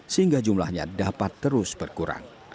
sehingga jumlahnya dapat terus berkurang